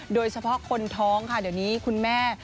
โดยเฉพาะคนท้องค่ะเดี๋ยวนี้คุณแม่